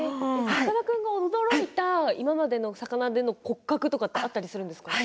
さかなクンが驚いた今までの魚の骨格ってあったりするんですか。